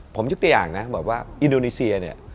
ผมยกตัวอย่างนะบอกว่าอินโดนีเซียเนี่ย